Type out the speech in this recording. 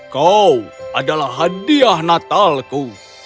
kau adalah hadiah natalku